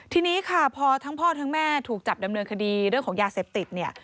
ทีนี้ค่ะพอทั้งพ่อทั้งแม่ถูกจับดำเนินคดีเรื่องของยาเสพติดเนี่ย